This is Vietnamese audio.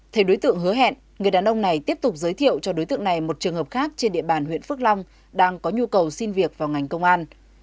thay đối tượng hứa hẹn người đàn ông này tiếp tục giới thiệu cho đối tượng này một trường hợp khác trên địa bàn huyện phước long đang có nhu cầu xin việc vào ngành công an